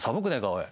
おい。